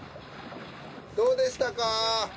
どうでしたか？